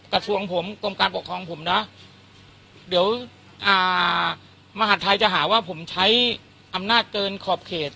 กระทรวงผมกรมการปกครองผมนะเดี๋ยวมหาดไทยจะหาว่าผมใช้อำนาจเกินขอบเขต